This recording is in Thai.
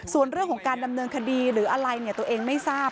ส่วนเรื่องของการดำเนินคดีหรืออะไรเนี่ยตัวเองไม่ทราบ